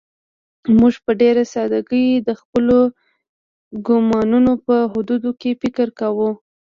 موږ په ډېره سادهګۍ د خپلو ګومانونو په حدودو کې فکر کوو.